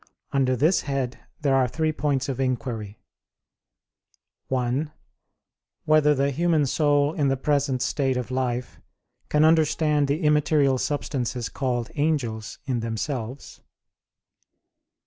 Under this head there are three points of inquiry: (1) Whether the human soul in the present state of life can understand the immaterial substances called angels, in themselves?